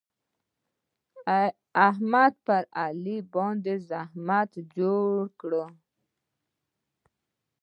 احمد پر علي باندې زحمت جوړ کړ.